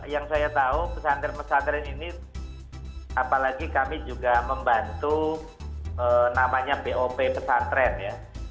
yang saya tahu pesantren pesantren ini apalagi kami juga membantu namanya bop pesantren ya